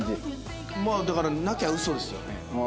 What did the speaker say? まあだからなきゃウソですよね。